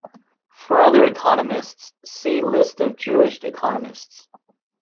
For other economists, see List of Jewish economists.